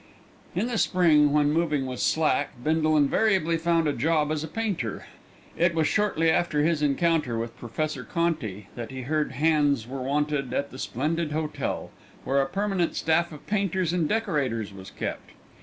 In the spring when moving was slack, Bindle invariably found a job as a painter. It was shortly after his encounter with Professor Conti that he heard hands were wanted at the Splendid Hotel, where a permanent staff of painters and decorators was kept.